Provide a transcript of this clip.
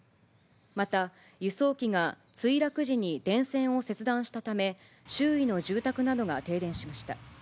また、輸送機が墜落時に電線を切断したため、周囲の住宅などが停電しました。